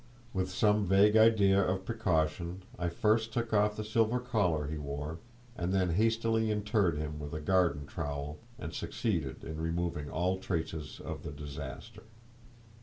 With some vague idea of precaution, I first took off the silver collar he wore, and then hastily interred him with a garden trowel, and succeeded in removing all traces of the disaster.